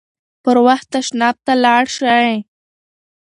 پر وخت تشناب ته لاړ شئ.